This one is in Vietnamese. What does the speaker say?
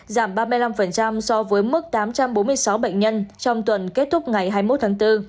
giảm ba mươi năm so với mức tám trăm bốn mươi sáu bệnh nhân trong tuần kết thúc ngày hai mươi một tháng bốn